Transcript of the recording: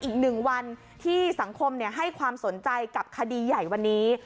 อีกหนึ่งวันที่สังคมให้ความสนใจกับคดีใหญ่วันนี้